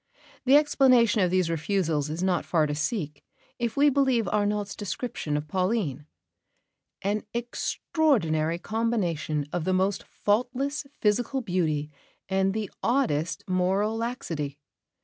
The explanation of these refusals is not far to seek if we believe Arnault's description of Pauline "An extraordinary combination of the most faultless physical beauty and the oddest moral laxity.